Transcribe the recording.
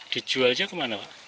dijualnya kemana pak